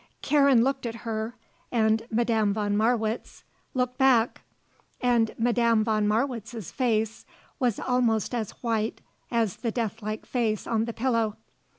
Karen looked at her and Madame von Marwitz looked back, and Madame von Marwitz's face was almost as white as the death like face on the pillow.